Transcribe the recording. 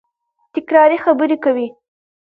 تکراري خبري کوي.